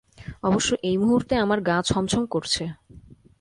অবশ্য এই মুহূর্তে আমার গা ছমছম করছে।